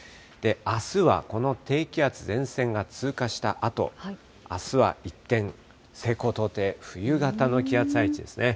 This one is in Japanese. あすはこの低気圧、前線が通過したあと、あすは一転、西高東低、冬型の気圧配置ですね。